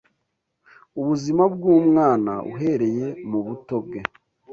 Ubuzima bw’umwana uhereye mu buto bwe